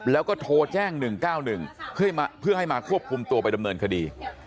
แล้วก็โทรแจ้ง๑๙๑เพื่อให้มาควบคุมตัวไปดำเนินคดี